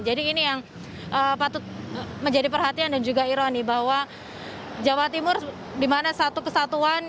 jadi ini yang patut menjadi perhatian dan juga ironi bahwa jawa timur di mana satu kesatuan